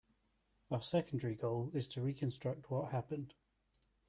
Our secondary goal is to reconstruct what happened.